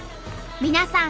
皆さん